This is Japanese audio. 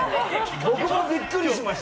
僕もびっくりしました。